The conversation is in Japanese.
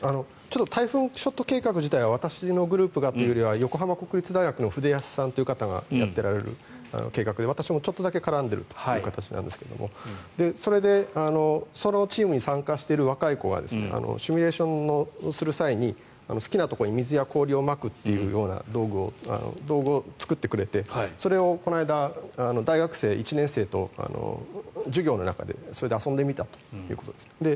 タイフーンショット計画自体は私のグループがというよりは横浜国立大学のフデヤスさんという方がやっておられる計画で私もちょっとだけ絡んでいるという形なんですがそれで、そのチームに参加している若い子がシミュレーションをする際に好きなところに水や氷をまく道具を作ってくれてそれをこの間大学生、１年生と授業の中でそれで遊んでみたということですね。